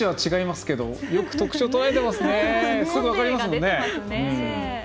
すぐ分かりますもんね。